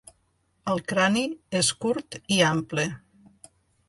El crani és curt i ample.